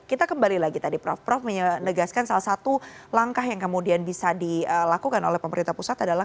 kita kembali lagi tadi prof prof menegaskan salah satu langkah yang kemudian bisa dilakukan oleh pemerintah pusat adalah